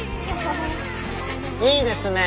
いいですね。